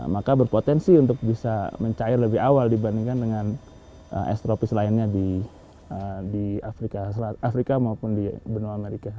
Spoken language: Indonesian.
maka berpotensi untuk bisa mencair lebih awal dibandingkan dengan estropis lainnya di afrika maupun di benua amerika